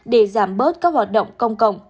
để giảm bớt các hoạt động công cộng